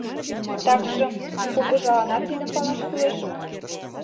Такшым кугыжалан тидым палаш кӱлеш мо?